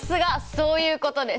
そういうことです！